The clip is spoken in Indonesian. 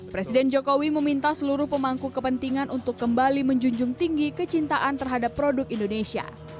presiden jokowi meminta seluruh pemangku kepentingan untuk kembali menjunjung tinggi kecintaan terhadap produk indonesia